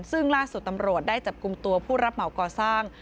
ซึ่งล่าสุดตำรวจได้จับกลุ่มตัวผู้รับเหมาก่อสร้าง